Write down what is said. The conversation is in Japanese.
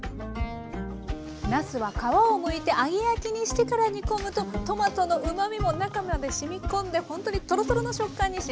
なすは皮をむいて揚げ焼きにしてから煮込むとトマトのうまみも中までしみ込んでほんとにトロトロの食感に仕上がります。